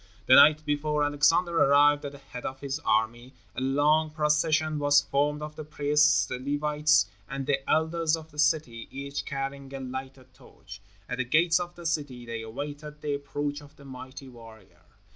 The night before Alexander arrived at the head of his army, a long procession was formed of the priests, the Levites, and the elders of the city, each carrying a lighted torch. At the gates of the city they awaited the approach of the mighty warrior.